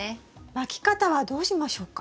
まき方はどうしましょうか？